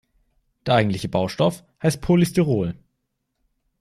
Der eigentliche Baustoff heißt Polystyrol.